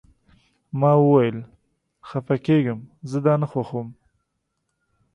ما وویل: خفه کیږم، زه دا نه خوښوم.